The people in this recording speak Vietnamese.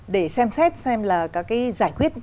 để xem xét xem là các cái giải quyết